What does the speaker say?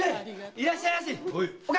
いらっしゃいまし！